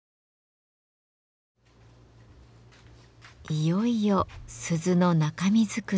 いよいよ鈴の中身作り。